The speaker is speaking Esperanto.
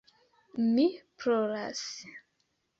Mi ploras.